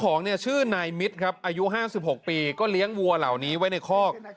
ของเนี่ยชื่อนายมิตรครับอายุ๕๖ปีก็เลี้ยงวัวเหล่านี้ไว้ในคอก